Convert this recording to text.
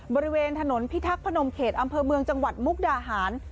บริเวณถนนพิทักษ์พนมเขตอำเภอเมืองจังหวัดมุกดาหาร